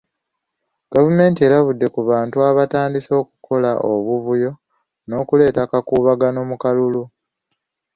Gavumenti erabudde ku bantu abatandise okukola obuvuyo n'okuleeta obukubagano mu kalulu.